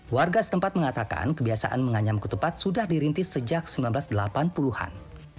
warga setempat mengatakan kebiasaan menganyam ketupat sudah dirintis sejak seribu sembilan ratus delapan puluh an